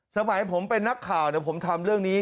สมัยผมเป็นนักข่าวผมทำเรื่องนี้